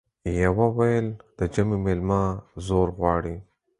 يوه ويل د ژمي ميلمه زور غواړي ،